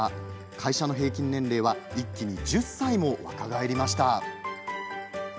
会社の平均年齢は一気に１０歳も若返りました。